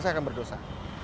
saya akan berdosa